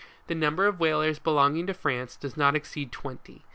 The number of whalers belonging to France does not exceed twenty.